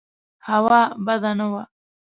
هوا بده نه وه.